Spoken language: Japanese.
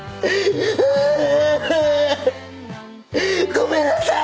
ごめんなさい！